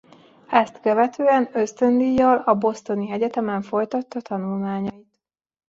Ezt követően ösztöndíjjal a Bostoni Egyetemen folytatta tanulmányait.